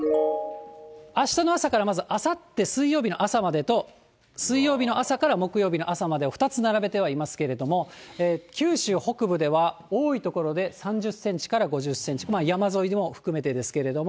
あしたの朝からまずあさって水曜日の朝までと、水曜日の朝から木曜日の朝までを２つ並べてはいますけれども、九州北部では多い所で３０センチから５０センチ、山沿いも含めてですけれども。